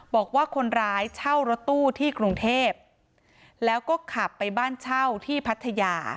บอกว่าคนร้ายเช่ารถตู้ที่กรุงเทพแล้วก็ขับไปบ้านเช่าที่พัทยา